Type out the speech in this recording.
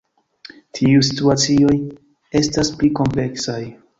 Tiuj situacioj estas pli kompleksaj.